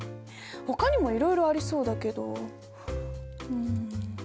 ほかにもいろいろありそうだけどうん。